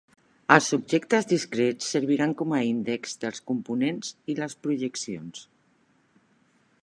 Els objectes discrets serviran com a índex dels components i les projeccions.